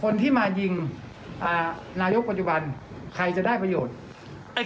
นายกปัจจุบันใครจะได้ประโยชน์